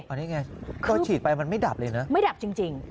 อ่ะนี่ไงก็ฉีดไปมันไม่ดับเลยเนอะไม่ดับจริงจริง